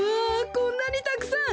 こんなにたくさん！